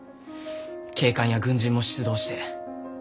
警官や軍人も出動して。